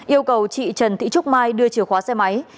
yêu cầu chị trần thị trúc mai đưa chìa khóa xe máy